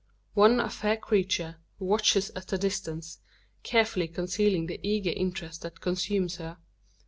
One a fair creature, who watches at a distance, carefully concealing the eager interest that consumes her.